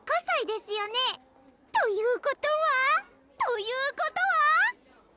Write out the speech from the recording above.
ＫＡＳＡＩですよね？ということは？ということは？